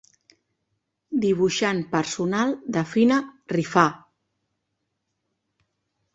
Dibuixant personal de Fina Rifà.